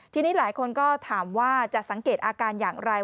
ทีนี้หลายคนก็ถามว่าจะสังเกตอาการอย่างไร